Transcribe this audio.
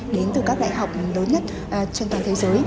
đến từ các đại học lớn nhất trên toàn thế giới